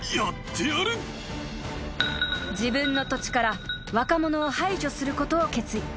［自分の土地から若者を排除することを決意］